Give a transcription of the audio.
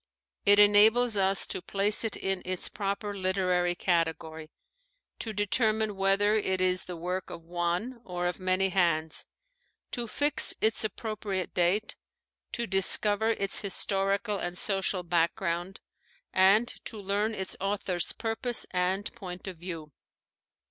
It enables us to place it in its proper literary category, to determine whether it is the work of one or of many hands, to fijc its approximate date, to discover its historical and social background, and to learn its author's purpose and point of view.